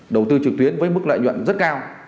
đầu tư trực tuyến với mức lợi nhuận rất cao